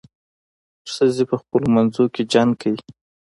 ښځې په خپلو منځو کې جنګ کوي.